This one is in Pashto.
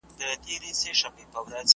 له هر شرنګه مار وهلی د زاهد کور به خراب وي .